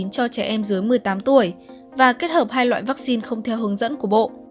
cho trẻ em dưới một mươi tám tuổi và kết hợp hai loại vaccine không theo hướng dẫn của bộ